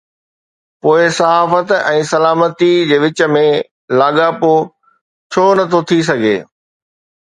پوءِ صحافت ۽ سلامتي جي وچ ۾ لاڳاپو ڇو نٿو ٿي سگهي؟